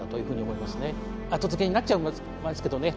後付けになっちゃいますけどね。